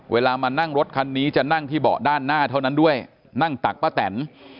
เวลามานั่งรถคันนี้จะนั่งที่เบาะด้านหน้าเท่านั้นด้วยนั่งตักป้าแตน